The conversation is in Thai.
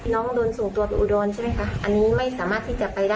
น้องโดนส่งต่อไปอุดรฐานใช่มั้ยคะ